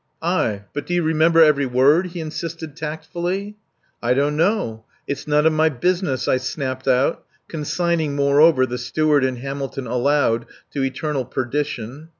"Aye. But do you remember every word?" he insisted tactfully. "I don't know. It's none of my business," I snapped out, consigning, moreover, the Steward and Hamilton aloud to eternal perdition.